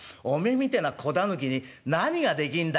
みてえな子狸に何ができんだい」。